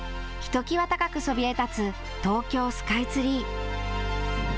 ひときわ高くそびえ立つ東京スカイツリー。